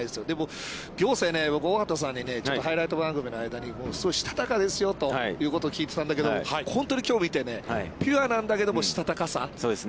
でも、仰星、大畑さんに、ちょっとハイライト番組の間に、したたかですよということを聞いていてたんだけど、本当にきょう見て、ピュアなんだけど、したたかさ。